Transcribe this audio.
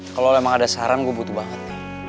kalau memang ada saran gue butuh banget